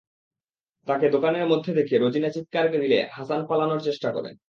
তাঁকে দোকানের মধ্যে দেখে রোজিনা চিৎকার দিলে হাসান পালানোর চেষ্টা করেন।